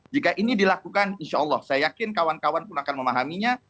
jika ini dilakukan insya allah saya yakin kawan kawan pun akan memahaminya